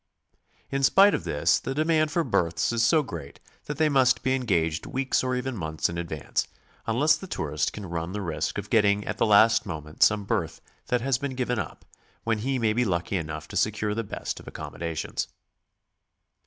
In spite of this the demand for berths is so great that they must be engaged weeks or even months in advance, unless the tourist can run WHY, WHO, AND WHEN TO GO. II the risk of getting at the last moment some berth that has been given up, when he may be lucky enough to secure the best of accommodations.